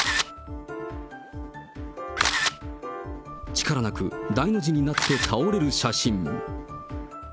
力なく、大の字になって倒れる写真。